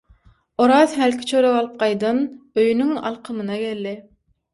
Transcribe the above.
Oraz hälki çörek alyp gaýdan öýüniň alkymyna geldi.